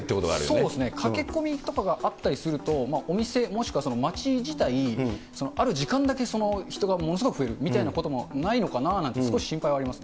そうですね、駆け込みとかがあったりすると、お店、もしくはその街自体、ある時間だけ人がものすごく増えるみたいなこともないのかなって、少し心配はあります。